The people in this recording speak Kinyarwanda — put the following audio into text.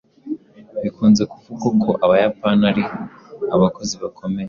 Bikunze kuvugwa ko abayapani ari abakozi bakomeye.